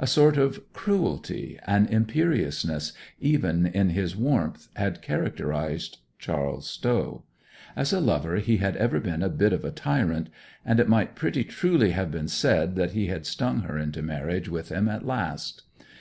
A sort of cruelty, an imperiousness, even in his warmth, had characterized Charles Stow. As a lover he had ever been a bit of a tyrant; and it might pretty truly have been said that he had stung her into marriage with him at last.